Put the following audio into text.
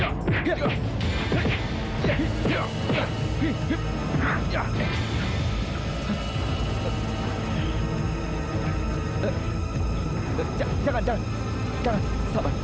nah hari ini kita juga nunggu rights